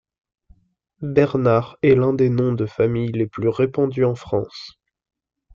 Bernard est l'un des noms de famille les plus répandus en France.